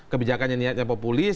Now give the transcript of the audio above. kebijakan yang niatnya populis